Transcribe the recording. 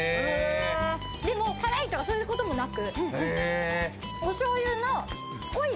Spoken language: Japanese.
でも、からいとか、そういうこともなく。